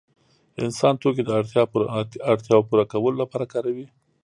انسان توکي د اړتیاوو پوره کولو لپاره کاروي.